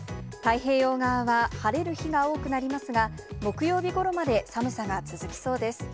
太平洋側は晴れる日が多くなりますが、木曜日ごろまで寒さが続きそうです。